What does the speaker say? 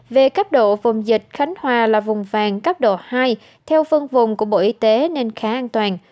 về cấp độ vùng dịch khánh hòa là vùng vàng cấp độ hai theo phân vùng của bộ y tế nên khá an toàn